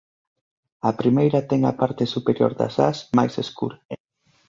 A primeira ten a parte superior das ás máis escura.